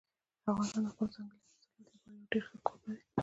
افغانستان د خپلو ځنګلي حاصلاتو لپاره یو ډېر ښه کوربه دی.